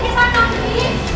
pergi pergi pergi